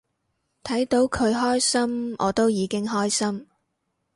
睇到佢開心我都已經開心